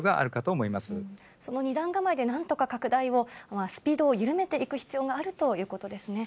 その２段構えで何とか拡大を、スピードを緩めていく必要があるということですね。